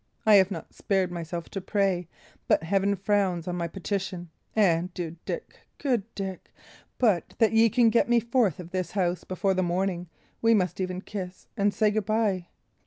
I have not spared myself to pray, but Heaven frowns on my petition. And, dear Dick good Dick but that ye can get me forth of this house before the morning, we must even kiss and say good bye."